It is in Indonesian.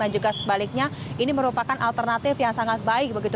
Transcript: dan juga sebaliknya ini merupakan alternatif yang sangat baik